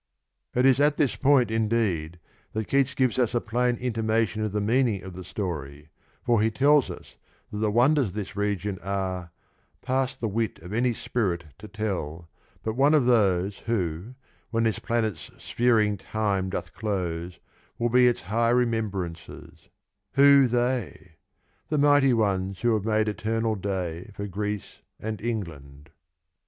It is at this point, indeed, that Keats gives us a plain intimation of the meaning of the story, for he tells us that the wonders of this region are — past the wit Of any spirit to teil, but one of those Who, when this planet's sphering time doth close, Will be its high remembrancers: who they? The mighty ones who have made eternal day For Greece and England.